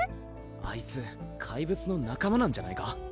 あいつ怪物の仲間なんじゃないか？